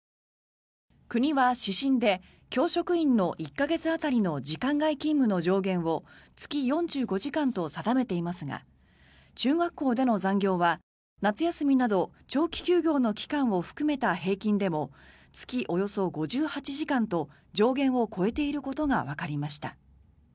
国は指針で教職員の１か月当たりの時間外勤務の上限を月４５時間と定めていますが中学校での残業は、夏休みなど長期休業の期間を含めた平均でも月およそ５８時間と上限を超えていることがわかりました。